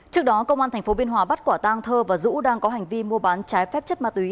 trước đó công an tp biên hòa bắt quả tang thơ và dũ đang có hành vi mua bán trái phép chất ma túy